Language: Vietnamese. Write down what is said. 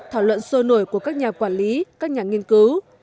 thảo luận sôi nổi của các nhà quản lý các nhà nghiên cứu